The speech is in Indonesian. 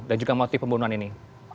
dan juga motif pembunuhan ini